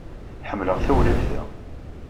Ḥemmleɣ tawlaft-a.